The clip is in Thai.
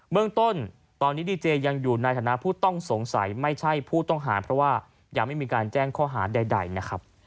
เมืองต้นตอนนี้ดีเจยังอยู่ในฐานะผู้ต้องสงสัยไม่ใช่ผู้ต้องหาเพราะว่ายังไม่มีการแจ้งข้อหาใดนะครับ